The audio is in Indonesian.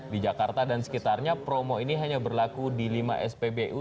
di jakarta dan sekitarnya promo ini hanya berlaku di lima spbu